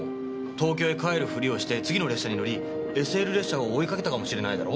東京へ帰るふりをして次の列車に乗りＳＬ列車を追いかけたかもしれないだろ？